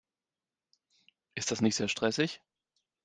Ist das nicht sehr stressig?